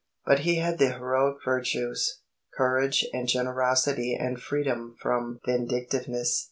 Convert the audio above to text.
But he had the heroic virtues courage and generosity and freedom from vindictiveness.